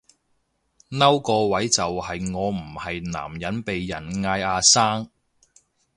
嬲個位就係我唔係男人被人嗌阿生